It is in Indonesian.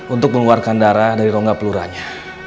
untuk mengeluarkan darah dari rongga peluranya